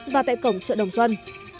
và tại cổng chợ đồng dân